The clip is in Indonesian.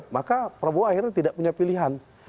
maka prabowo akhirnya tidak punya pilihan